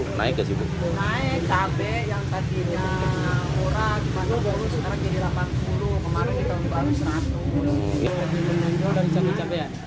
baru sekarang jadi rp delapan puluh kemarin di tahun baru rp seratus